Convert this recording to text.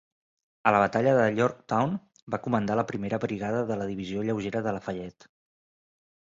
A la batalla de Yorktown, va comandar la primera brigada de la Divisió lleugera de Lafayette.